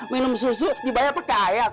minum susu dibayar pakai ayat